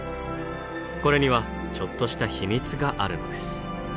これにはちょっとした秘密があるのです。